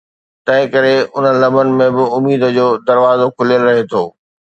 تنهن ڪري انهن لمحن ۾ به، اميد جو دروازو کليل رهي ٿو.